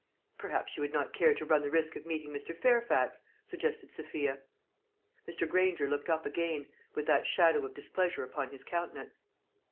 "Perhaps she would not care to run the risk of meeting Mr. Fairfax," suggested Sophia. Mr. Granger looked up again, with that shadow of displeasure upon his countenance.